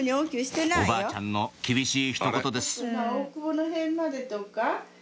おばあちゃんの厳しいひと言です